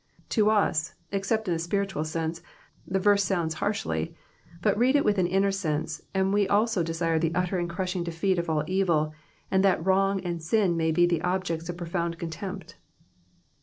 To us, except in a spiritual sense, the verse sounds harshly ; but read it with an inner sense, and we also desire the utter and crushing defeat of all evil, and that wrong and jsin may be the objects of profound contempt.